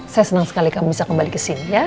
saya senang sekali kamu bisa kembali kesini ya